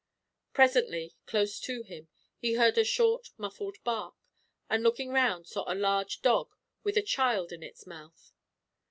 Presently, close to him, he heard a short muffled bark; and, looking round, saw a large dog with a child in its mouth.